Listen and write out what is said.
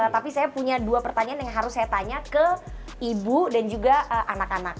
tapi saya punya dua pertanyaan yang harus saya tanya ke ibu dan juga anak anak